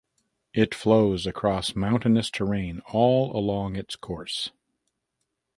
It flows across mountainous terrain all along its course.